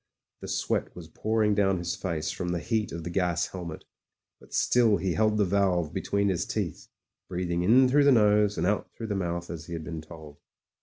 The sweat was pouring down his face from the heat of the gas helmet, but still he held the valve between his teeth, breathing in through the nose and out through the mouth as he had been told.